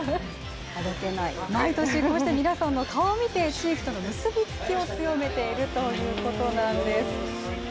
毎年、こうして皆さんの顔を見て地域との結びつきを強めているということなんです。